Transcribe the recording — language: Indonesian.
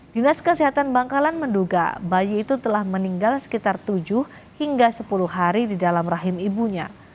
dinas kesehatan bangkalan menduga bayi itu telah meninggal sekitar tujuh hingga sepuluh hari di dalam rahim ibunya